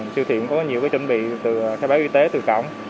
siêu thị cũng có nhiều chuẩn bị từ khai báo y tế từ cổng